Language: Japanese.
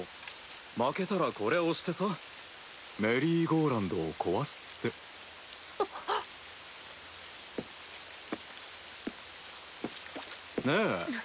負けたらコレ押してさメリーゴーランドを壊すって。ねえ？